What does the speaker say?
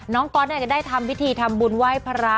น้องก๊อตเนี่ยก็ได้ทำวิธีทำบุญไหว้พระ